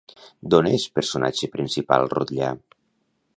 D'on és personatge principal Rotllà?